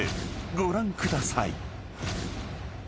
ご覧ください］